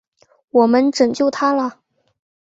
我们拯救他了！